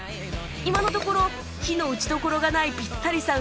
今のところ非の打ちどころがないピッタリさん